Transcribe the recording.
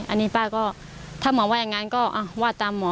อันนี้ป้าก็ถ้าหมอว่าอย่างนั้นก็ว่าตามหมอ